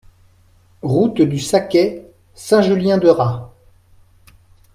Route du Saquet, Saint-Julien-de-Raz